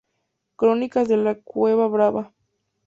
Crónicas de la cueca brava".